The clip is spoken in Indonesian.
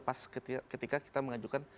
pas ketika kita mengajukan